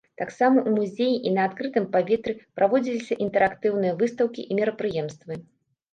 Таксама ў музеі і на адкрытым паветры праводзіліся інтэрактыўныя выстаўкі і мерапрыемствы.